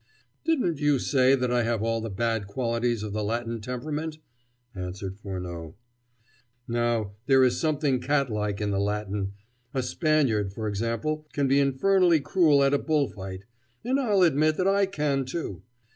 "Didn't you say that I have all the bad qualities of the Latin temperament?" answered Furneaux. "Now, there is something cat like in the Latin; a Spaniard, for example, can be infernally cruel at a bullfight; and I'll admit that I can, too.